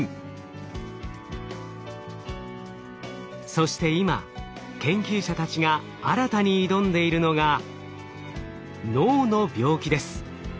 そして今研究者たちが新たに挑んでいるのが脳の病気です。